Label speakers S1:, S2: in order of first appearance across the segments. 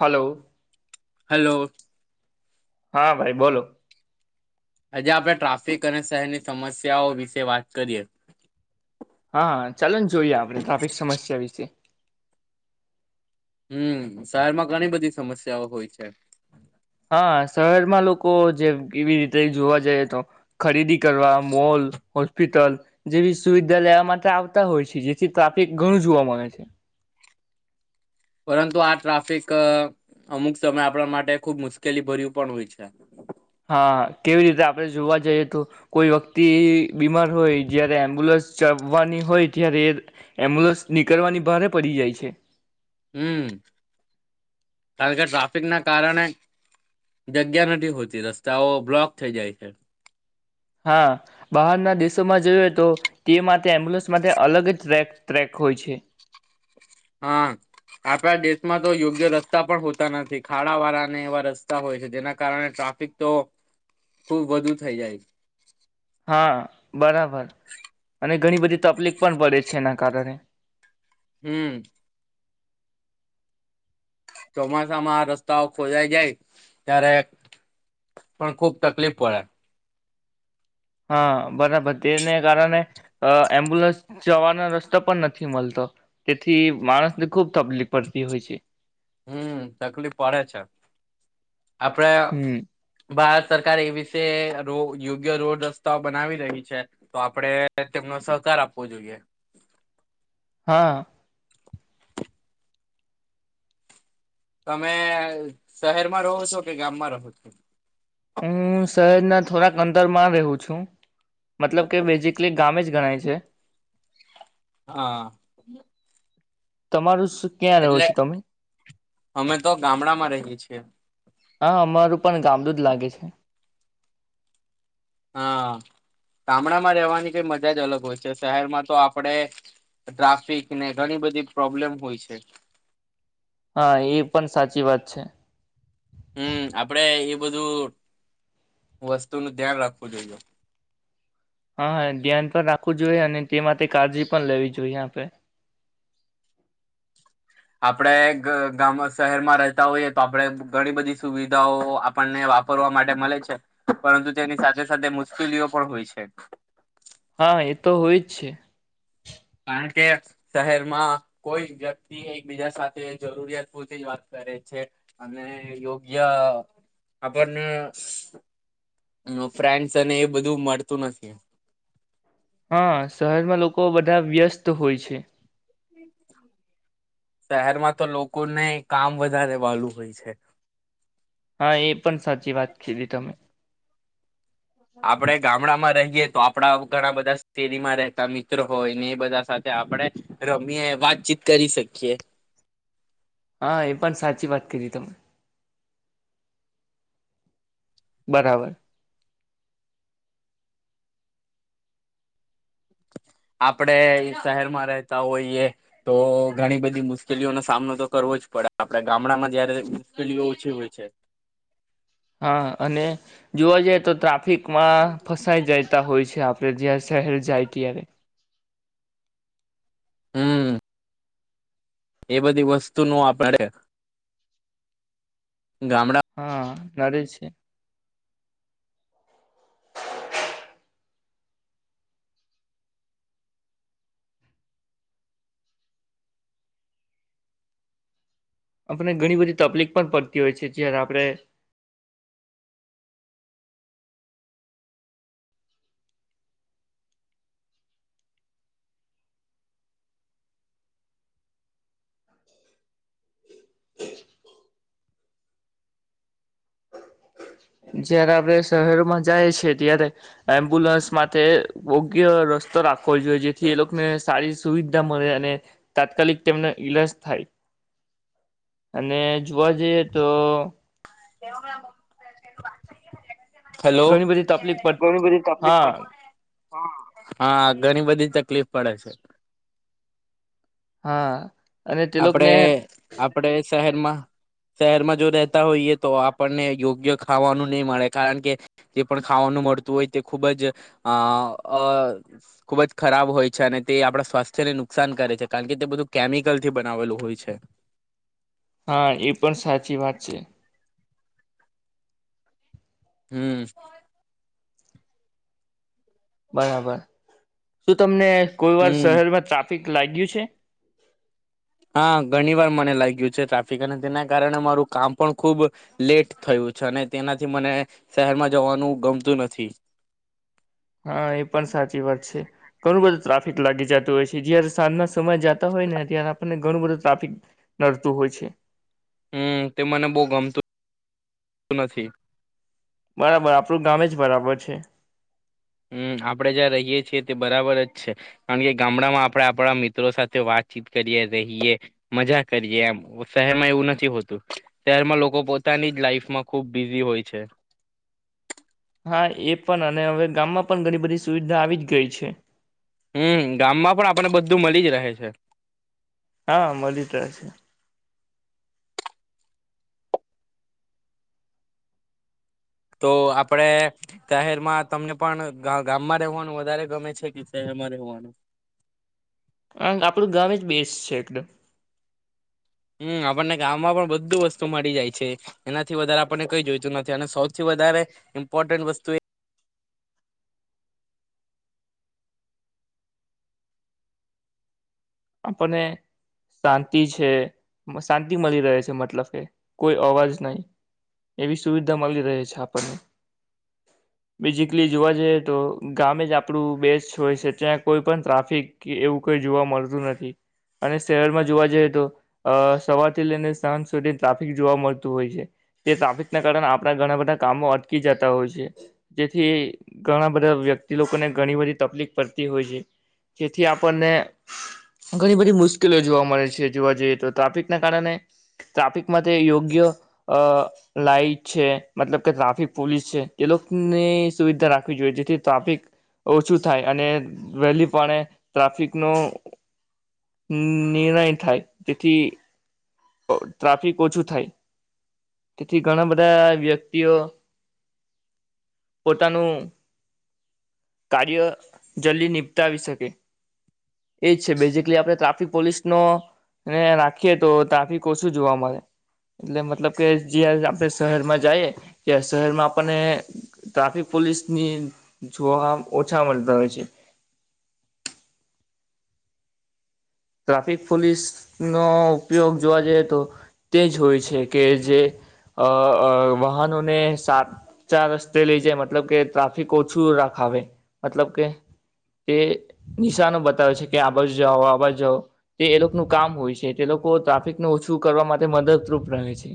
S1: Hello
S2: hello
S1: હા ભાઈ બોલો
S2: આજે આપણે ટ્રાફિક અને શહેરની સમસ્યાઓ વિશે વાત કરીએ
S1: હા હા ચાલો ને જોઈએ આપણે ટ્રાફિક સમસ્યા વિશે
S2: હમ શહેર માં ઘણી બધી સમસ્યાઓ હોય છે.
S1: હા શહેરમાં લોકો જે કેવી રીતે જોવા જઈ તો ખરીદી કરવા મોલ હોસ્પિટલ જેવી સુવિધા લેવા માટે આવતા હોય છે જેથી ટ્રાફિક ઘણું જોવા મળે છે.
S2: પરંતુ આ ટ્રાફિક અમુક સમય આપણા માટે ખુબ મુશ્કેલી ભર્યું પણ હોય છે.
S1: હા કેવી રીતે આપણે જોવા જઈએ તો કોઈ વ્યક્તિ બીમાર હોય જય્યારે એમ્બ્યુલન્સ ચવાની હોય ત્યારે એ એમ્બ્યુલન્સ નીકળવાની ભારે પડી જાય છે.
S2: હમ કારણ કે ટ્રાફિક ના કારણે જગ્યા નથી હોતી રસ્તાઓ બ્લોક થઈ જાય છે.
S1: હા બહારના દેશોમાં જોઈએ તો તે માટે એમ્બ્યુલન્સ માટે અલગ જ ટ્રેક હોય છે.
S2: હા આપણા દેશમાં તો યોગ્ય રસ્તા પણ હોતા નથી ખાડા વાળાને એવા રસ્તા હોય છે જેના કારણે ટ્રાફિક તો ખુબ વધુ થઈ જાય
S1: હા બરાબર અને ઘણી બધી તકલીફ પણ પડે છે એના કારણે
S2: હમ ચોમાસામાં રસ્તાઓ ખોદાય જાય ત્યારે પણ ખુબ તકલીફ પડે
S1: હા બરાબર ને કારણે એમ્બ્યુલન્સ જવાનો રસ્તો પણ નથી મળતો તેથી માણસને ખુબ તકલીફ પડતી હોય છે.
S2: હમ તકલીફ પડે છે. આપડે
S1: હમ
S2: ભારત ત સરકાર એ વિષ ર યોગ્ય રોડ રસ્તાઓ બનાવી રહી છે તો આપડણે તેમનો સહકાર આપવો જોઈએ.
S1: હા.
S2: તમે શહેરમાં રહો છો કે ગામમાં રહો
S1: હું શહેરના થોડાક અંદરમાં રેહું છું મતલબ કે બેઝિકલી ગામે જ ગણાય છે.
S2: હા.
S1: તમારું શું ક્યાં રહો
S2: એટલે
S1: છો તમે
S2: અમે તો ગામડામાં રહીએ છીએ.
S1: ચાલતું જ લાગે છે.
S2: હા ગામડામાં રહેવાની કઈ મજા જ અલગ હોય છે શહેરમાં તો આપડે ટ્રાફિક ને ઘણી બધી પ્રોબ્લેમ હોય છે.
S1: હા એ પણ સાચી વાત છે.
S2: હમ આપડે એ બધું વસ્તુ નું ધ્યાન રાખવું જોઈએ.
S1: હા હા ધ્યાન પણ રાખવું જોઈએ અને તે માટે કાળજી પણ લેવી જોઈએ આપડે.
S2: આપડે ગ ગામ શહેરમાં રહેતા હોઈએ તો આપડે ઘણી બધી સુવિધાઓ આપણને વાપરવા માટે મળે છે પરંતુ તેની સાથે સાથે મુશ્કેલીઓ પણ હોય છે.
S1: હા એ તો હોય જ છે.
S2: કારણ કે શહેરમાં કોઈ વ્યક્તિ એકબીજા સાથે જરૂરિયાત પૂરતી જ વાત કરે છે અને યોગ્ય આપણને ફ્રેન્ડસ અને એ બધું મળતું નથી.
S1: હા શહેરમાં લોકો બધા વ્યસ્ત હોય છે.
S2: શહેરમાં તો લોકોને કામ વધારે વાળું હોય છે.
S1: હા એ પણ સાચી વાત કીધી તમે.
S2: આપડે ગામડામાં રહીએ તો આપડા ઘણા બધા શેરીમાં રહેતા મિત્રો હોય ને એ બધા સાથે આપડે રમીએ વાતચીત કરી શકીએ.
S1: હા એ પણ સાચી વાત કીધી તમે. બરાબર.
S2: આપડે શહેરમાં રહેતા હોઈએ તો ઘણી બધી મુશ્કેલીઓનો સામનો તો કરવો જ પડે આપડે ગામડામાં જયારે મુશ્કેલીઓ ઓછી હોય છે.
S1: હા અને જોવા જઈએ તો ટ્રાફિક માં ફસાઈ જાયતા હોય છે આપડે જ્યાં શહેર જાયતીય.
S2: હમ એ બધી વસ્તુનું આપણે
S1: હા નડે છે. આપને ઘણી બધી તકલીફ પણ પડતી હોય છે જ્યારે આપડે [inaudible] જયારે આપડે શહેરોમાં જાય છે ત્યારે એમ્બ્યુલન્સ માટે યોગ્ય રસ્તો રાખવો જોઈએ જે લોકને લોકોને સારી સુવિધા મળે અને તાત્કાલિક તેમનો ઈલાજ થાય અને જોવા જઈએ તો
S2: [inaudible]
S1: ઘણી બધી તકલીફ પણ હા
S2: હા ઘણી બધી તકલીફ પડે છે.
S1: હા. અને તે
S2: આપડે
S1: લોકોને
S2: આપડે શહેર માં શહેરમાં જો રહેતા હોઈએ તો આપણને યોગ્ય ખાવાનું નહી મળે કારણ કે જે પણ ખાવાનું મળતું હોય તે ખુબ જ અ ખુબ જ ખરાબ હોય છે અને તે આપડા સ્વાસ્થ્યને નુકસાન કરે છે કારણ કે તે બધું કેમિકલ થી બનાવેલું હોય છે.
S1: હા એ પણ સાચી વાત છે.
S2: હમ.
S1: બરાબર શું તમને કોઈ વાર
S2: હમ
S1: શહેરમાં તાપ લાગ્યું છે?
S2: હા ઘણી વાર મને લાગ્યું છે ટ્રાફિક અને તેના કારણે મારું કામ પણ ખુબ, લેટ થયું છે અને તેનાથી મને શહેરમાં જવાનું ગમતું નથી.
S1: હા એ પણ સાચી વાત છે, ઘણું બધું. ટ્રાફિક લાગી જતો હોય જે સાજ સમય જતા હોય ને ત્યારે આપણને ઘણું બધું ટ્રાફિક નડતું હોય છે.
S2: હમ તે મને બહુ ગમતું નથી.
S1: બરાબર આપણું ગામે જ બરાબર છે.
S2: હમ આપણે જ્યાં રહીય છીએ તે બરાબર જ છે, કારણ કે ગામડામાં આપણે આપણા મિત્રો સાથે વાતચીત કરીએ રહીએ, મજા કરીએ એમ શહેરમાં એવું નથી હોતું, શહેરમાં લોકો પોતાની જ લાઈફમાં ખૂબ બિઝી હોય છે.
S1: હા એ પણ અને હવે ગામમાં પણ ઘણી બધી સુવિધા આવી જ ગઈ છે.
S2: હમ ગામમાં પણ આપણે બધું મળી જ રહે છે.
S1: હા મળિત છે.
S2: તો આપણે શહેરમાં તમને પણ ગામમાં રહેવાનું વધારે ગમે છે કે શહેરમાં રહેવાનું?
S1: હ આપડું ગામે જ બેસ છે એકદમ.
S2: હમ આપણને ગામમાં પણ બધું વસ્તુ મળી જાય છે, એનાથી વધારે આપણને કઈ જોઈતું નથી અને સૌથી વધારે, ઇમ્પોર્ટન્ટ વસ્તુ એ
S1: આપણને શાંતિ છે, શાંતિ મળી રહે છે મતલબ કે કોઈ અવાજ નહી એવી સુવિધા મળી રહે છે, આપણને બેઝિકલી જોવા જઈએ તો ગામે જ આપણું બેસ્ટ હોય છે ત્યાં કોઈ પણ ટ્રાફિક એવું કોઈ જોવા મળતું નથી. અને શહેરમાં જોવા જઈએ તો સવારથી લઈને સાંજ સુધી ટ્રાફિક જોવા મળતું હોય છે, તે ટ્રાફિકના કારણે આપણા ઘણા બધા કામો અટકી જતા હોય છે, જેથી ઘણા બધા વ્યક્તિ લોકોને ઘણી બધી તકલીફ પડતી હોય છે, જેથી આપણને ઘણી બધી મુશ્કેલી જોવા મળે છે જોવા જઈએ તો ટ્રાફિકના કારણે, ટ્રાફિકમાં તે યોગ્ય લાાઈટ છે મતલબ કે ટ્રાફિક પોલીસ છે એ લોકોની સુવિધા રાખવી જોઈએ જેથી ટ્રાફિક ઓછું થાય અને વહેલીપણે ટ્રાફિકનો નિર્ણય થાય, તેથી ટ્રાફિક ઓછું થાય, તેથી ઘણા બધા વ્યક્તિઓ, પોતાનું કાર્ય જલ્દી નિપટાવી શકે, એ છે બેજ એટલે આપણે ટ્રાફિક પોલીસ નો, ને રાખીએ તો ટ્રાફિક ઓછું જોવા મળે, એટલે મતલબ કે જ્યા આપણે શહેરમાં જઈએ ત્યા શહેરમાં આપણને ટ્રાફિક પોલીસની જોવા ઓછા મળતા હોય છે. ટ્રાફિક પોલીસનો ઉપયોગ જોવા જઈએ તો, તે જ હોય છે કે જે, અ અ વાહનોને સાચા રસ્તે લઈ જાય મતલબ કે ટ્રાફિક ઓછું રાખાવે, મતલબ કે તે નિશાનો બતાવે છે કે આબાજુ જાઓ આબાજુ એ લોકોનું કામ હોય છે તે લોકો ટ્રાફિક ઓછું કરવા માટે મદદરૂપ રહે છે.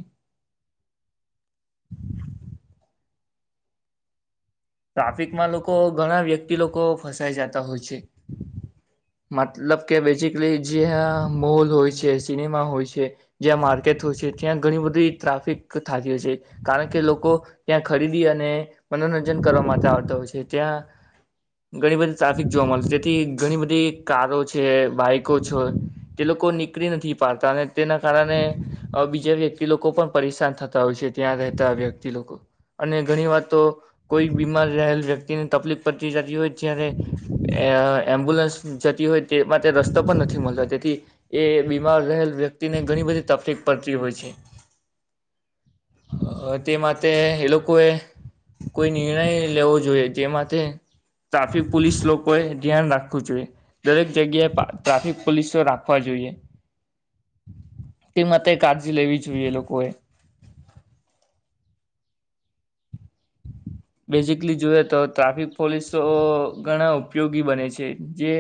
S1: ટ્રાફિકમાં લોકો ઘણા વ્યક્તિ લોકો ફસાય જતા હોય છે, મતલબ કે બેઝિકલી જ્યાં મોલ હોય છે સિનેમા હોય છે, જ્યાં માર્કેટ હોય છે ત્યાં ઘણી બધી ટ્રાફિક થતી હોય છે, કારણ કે લોકો ત્યાં ખરીદી અને મનોરંજન આવતા હોય છે, ત્યાં ઘણી બધી ટ્રાફિક જોવા મળે તેથી ઘણી બધી કારો છે બાઈકો છે, તે લોકો નીકળી નથી પાડતા અને તેના કારણે, બીજા વ્યક્તિ લોકો પણ પરેશાન થતા હોય છે ત્યાં રહેતા વ્યક્તિ લોકો, અને ઘણી વાર તો કોઈ બીમાર રહેલ વ્યક્તિને તકલીફ પડતી જતી હોય જ્યારે, એમ્બ્યુલન્સ જતી હોય તે માટે રસ્તો પણ નથી મળતો તેથી એ બીમાર રહેલ વ્યક્તિને ઘણી બધી તકલીફ પડતી હોય છે, તે માટે એ લોકોએ કોઈ નિર્ણય લેવો જોઈએ જેમાંતે ટ્રાફિક પોલીસ લોકોએ ધ્યાન રાખવું જોઈએ, દરેક જગ્યાએ ટ્રાફિક પોલીસો રાખવા જોઈએ, તે માટે કાળજી લેવી જોઈએ લોકોએ. બેઝિકલી જોએ તો ટ્રાફિક પોલીસોં ઘણા ઉપયોગી બને છે જે,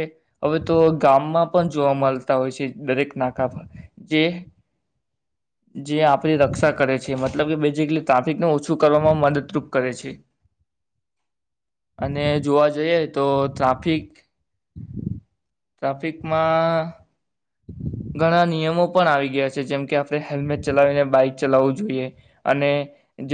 S1: હવે તો ગામમાં પણ જોવા મલતા હોય છે દરેક નાકા પર, જે જે આપણી રક્ષા કરે છે મતલબી બેઝિકલી ટ્રાફિકનુ ઓછું કરવામાં મદદરૂપ કરે છે, અને જોવા જઈએ તો ટ્રાફિક ટ્રાફિકમાં ઘણા નિયમો પણ આવી ગયા છે જેમ કે આપણે હેલ્મેટ ચલાવીને બાઈક ચલાવવું જોઈએ, અને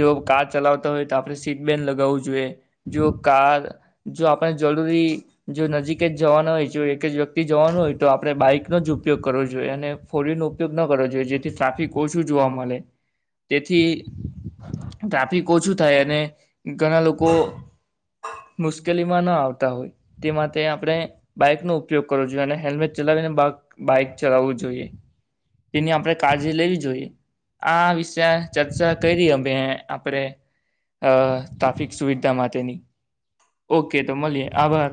S1: જો કાર ચલાવતા હોય તો આપણે સીટ બેલ લગાવવું જોઈએ, જો કાર જો આપણે જરૂરી જો નજીક જ જવાના હોય જો એક જ વ્યક્તિ જવાનું હોય તો આપણે બાઈકનો જ ઉપયોગ કરવો જોઈએ અને ફોરવિલ નો ઉપયોગ ન કરવો જોઈએ જે ટ્રાફિક ઓછું જોવા મળે, તેથી ટ્રાફિક ઓછું થાય અને, ઘણા લોકો મુશ્કેલીમાં ના આવતા હોય તે માટે આપણે બાઈકનો ઉપયોગ કરવો જોઈએ અને હેલ્મેટ ચલાવીને બાઈક ચલાવવું જોઈએ, તેની આપણે કાળજી લેવી જોઈએ, આ વિષ ચર્ચા કરી અમે આપણે, ટ્રાફિક સુવિધા માટેની ઓકે તો મળીએ આભાર.